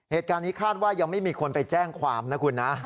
เหตุการณ์นี้คาดว่ายังไม่มีคนไปแจ้งความนะคุณนะ